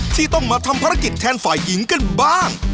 ที่ต้องมาทำภารกิจแทนฝ่ายหญิงกันบ้าง